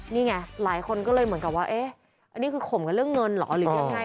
นี่ไงหลายคนก็เลยเหมือนกับว่าเอ๊ะอันนี้คือข่มกันเรื่องเงินเหรอหรือยังไง